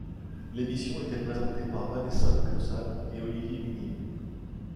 L'émission était présentée par Vanessa de Clausade et Olivier Ligné.